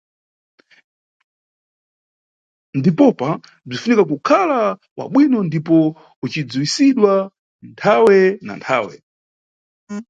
Ndipopa bzinʼfunika kukhala wabwino ndipo ucidziwisidwa nthawe na nthawe.